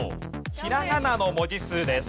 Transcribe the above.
ひらがなの文字数です。